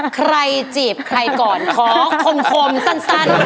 ใครจีบใครก่อนของขมสั้น